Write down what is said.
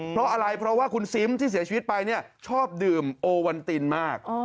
เพราะอะไรเพราะว่าคุณซิมที่เสียชีวิตไปเนี่ยชอบดื่มโอวันตินมาก